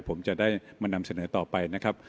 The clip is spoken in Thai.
ผมจะได้มานำเสนอต่อไปนะครับ